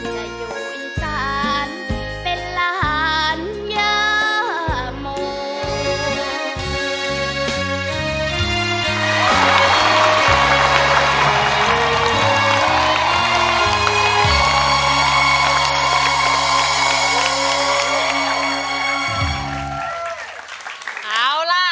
จะอยู่อีกจานเป็นละหันยาโม